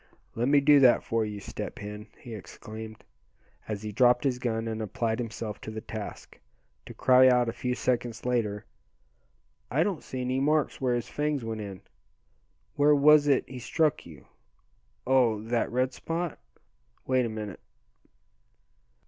"Let me do that for you, Step Hen," he exclaimed, as he dropped his gun, and applied himself to the task, to cry out a few seconds later, "I don't see any marks where his fangs went in. Where was it he struck you? Oh! that red spot? Wait a minute."